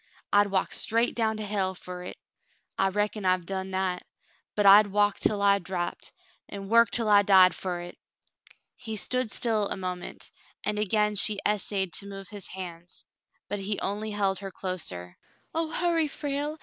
I'd walk straight down to hell fer hit, — I reckon I hev done that, — but I'd walk till I drapped, an* work till I died for hit." He stood still a moment, and again she essayed to move his hands, but he only held her closer. "Oh, hurry, Frale